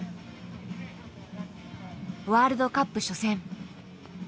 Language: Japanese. ワールドカップ初戦。